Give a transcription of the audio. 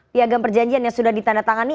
piagam perjanjian yang sudah ditandatangani